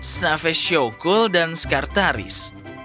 snaves syokul dan skartaris